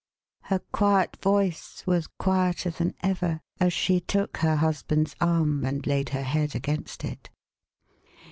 Her quiet voice was quieter than ever, as she took her husband's arm, and laid her head against it.